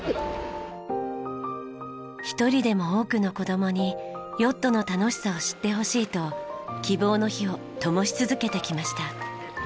一人でも多くの子供にヨットの楽しさを知ってほしいと希望の火をともし続けてきました。